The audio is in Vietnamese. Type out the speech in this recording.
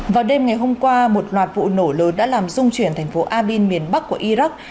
vào đêm ngày hôm qua một loạt vụ nổ lớn đã làm dung chuyển thành phố abin miền bắc của iraq